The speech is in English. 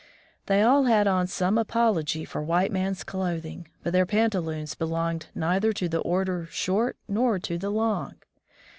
They all had on some apology for white man's clothing, but their pantaloons belonged neither to the order short nor to the long.